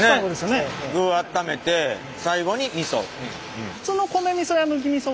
具あっためて最後に味噌。